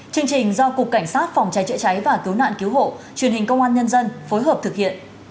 chương trình do cục cảnh sát phòng cháy chữa cháy và cứu nạn cứu hộ truyền hình công an nhân dân phối hợp thực hiện